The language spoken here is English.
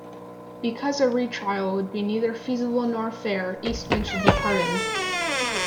Because a retrial would be neither feasible nor fair, Eastman should be pardoned.